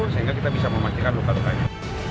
sehingga kita bisa memastikan luka lukanya